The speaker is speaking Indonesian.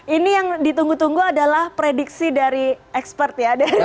ini yang ditunggu tunggu adalah prediksi dari expert ya